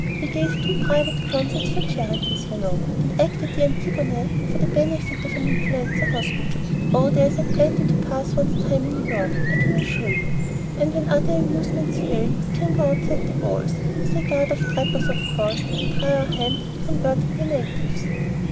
We gave two private concerts for charities, you know, and acted the Antigone for the benefit of the Influenza Hospital. Oh, there is a plenty to pass one's time in New York, I can assure you. And when other amusements fail, we can go outside the walls, with a guard of trappers, of course, and try our hand at converting the natives."